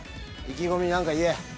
意気込み何か言え。